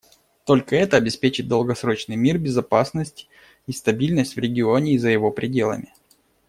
Только это обеспечит долгосрочный мир, безопасность и стабильность в регионе и за его пределами.